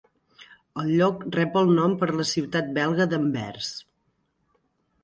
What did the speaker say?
El lloc rep el nom per la ciutat belga d'Anvers.